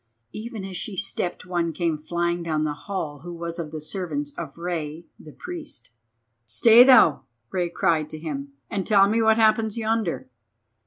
Even as she stepped one came flying down the hall who was of the servants of Rei the Priest. "Stay thou," Rei cried to him, "and tell me what happens yonder."